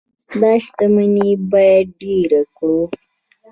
دا شتمني باید ډیره کړو.